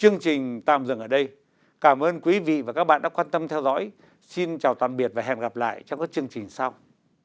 chương trình tạm dừng ở đây cảm ơn quý vị và các bạn đã quan tâm theo dõi xin chào tạm biệt và hẹn gặp lại trong các chương trình sau